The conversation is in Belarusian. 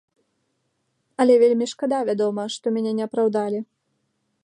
Але вельмі шкада, вядома, што мяне не апраўдалі.